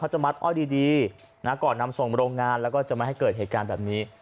จะมัดอ้อยดีนะก่อนนำส่งโรงงานแล้วก็จะไม่ให้เกิดเหตุการณ์แบบนี้